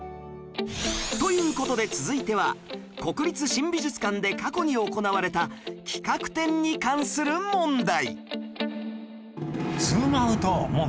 という事で続いては国立新美術館で過去に行われた企画展に関する問題